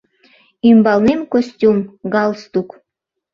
Ӱмбалнем костюм, галстук.